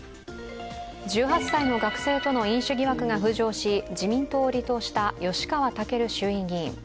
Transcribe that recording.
１８歳の学生との飲酒疑惑が浮上し、自民党を離党した吉川赳衆議院議員。